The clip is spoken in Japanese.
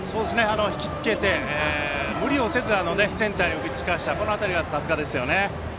引きつけて無理をせずセンターに打ち返したこの辺りは、さすがですよね。